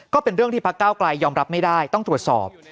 ก็เป็นเรื่องที่พักเก้าไกลยอมรับไม่ได้ต้องตรวจสอบ